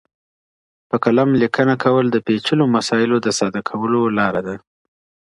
په قلم لیکنه کول د پیچلو مسایلو د ساده کولو لاره ده.